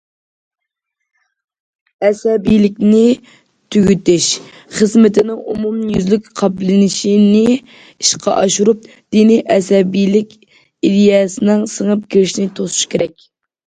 ‹‹ ئەسەبىيلىكنى تۈگىتىش›› خىزمىتىنىڭ ئومۇميۈزلۈك قاپلىنىشىنى ئىشقا ئاشۇرۇپ، دىنىي ئەسەبىيلىك ئىدىيەسىنىڭ سىڭىپ كىرىشىنى توسۇش كېرەك.